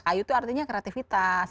kayu itu artinya kreativitas